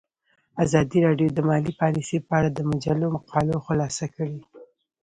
ازادي راډیو د مالي پالیسي په اړه د مجلو مقالو خلاصه کړې.